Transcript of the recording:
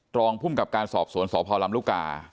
รองภูมิกับการสอบสวนสพลำลูกกา